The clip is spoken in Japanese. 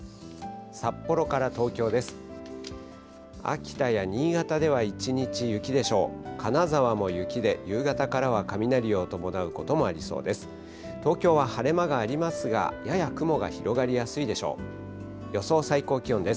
札幌から東京です。